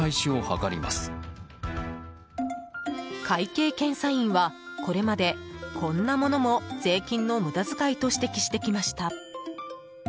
会計検査院はこれまで、こんなものも税金の無駄遣いと指摘してきました。